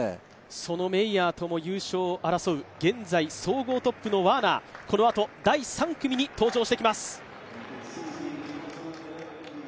そのメイヤーとも優勝を争う総合トップのワーナー、このあと第３組に登場してきます。